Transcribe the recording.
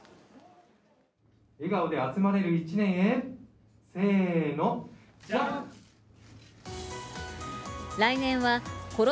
笑顔で集まれる１年へ、せーの、ジャンプ。